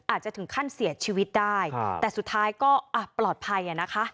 อาจจะถึงขั้นเสียชีวิตได้แต่สุดท้ายก็อ่ะปลอดภัยอ่ะนะคะ